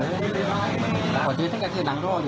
ยืดรู้ได้ไม่ดีหเอาหัวใสซุด